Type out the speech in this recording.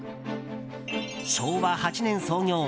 昭和８年創業。